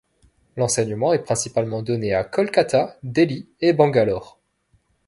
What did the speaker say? L'enseignement est principalement donné à Kolkata, Delhi et Bangalore.